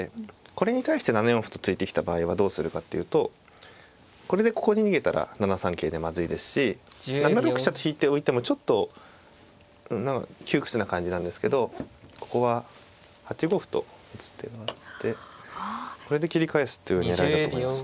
これに対して７四歩と突いてきた場合はどうするかっていうとこれでここに逃げたら７三桂でまずいですし７六飛車と引いておいてもちょっと窮屈な感じなんですけどここは８五歩と打つ手があってこれで切り返すっていう狙いだと思います。